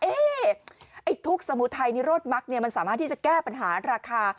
เอ๊ะทุกข์สมุทัยนิโรธมักมันสามารถที่จะแก้ปัญหาราคา